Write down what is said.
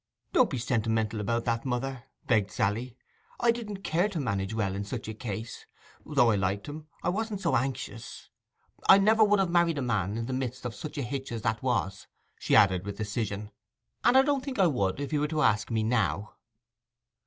'Don't be sentimental about that, mother,' begged Sally. 'I didn't care to manage well in such a case. Though I liked him, I wasn't so anxious. I would never have married the man in the midst of such a hitch as that was,' she added with decision; 'and I don't think I would if he were to ask me now.